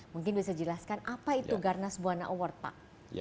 mungkin bisa dijelaskan apa itu garnas buana award pak